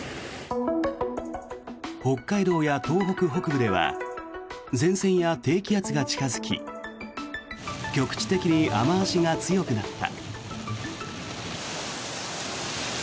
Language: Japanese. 北海道や東北北部では前線や低気圧が近付き局地的に雨脚が強くなった。